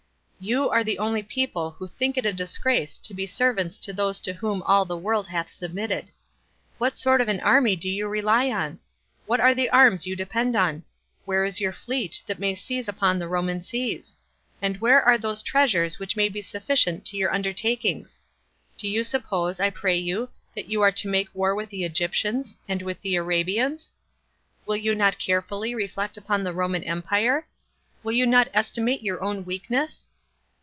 You are the only people who think it a disgrace to be servants to those to whom all the world hath submitted. What sort of an army do you rely on? What are the arms you depend on? Where is your fleet, that may seize upon the Roman seas? and where are those treasures which may be sufficient for your undertakings? Do you suppose, I pray you, that you are to make war with the Egyptians, and with the Arabians? Will you not carefully reflect upon the Roman empire? Will you not estimate your own weakness?